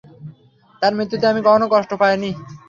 তার মৃত্যুতে আমি কখনও কষ্ট পাইনি।